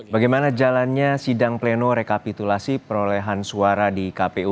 bagaimana jalannya sidang pleno rekapitulasi perolehan suara di kpu